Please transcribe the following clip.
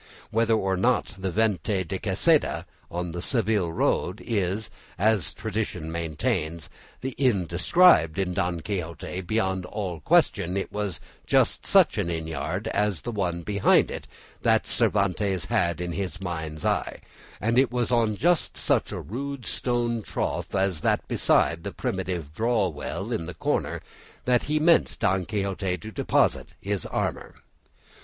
Whether or not the Venta de Quesada on the Seville road is, as tradition maintains, the inn described in "Don Quixote," beyond all question it was just such an inn yard as the one behind it that Cervantes had in his mind's eye, and it was on just such a rude stone trough as that beside the primitive draw well in the corner that he meant Don Quixote to deposit his armour.